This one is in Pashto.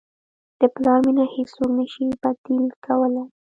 د پلار مینه هیڅوک نه شي بدیل کولی.